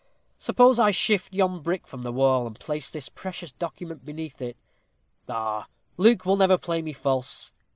Suppose I shift yon brick from the wall, and place this precious document beneath it. Pshaw! Luke would never play me false.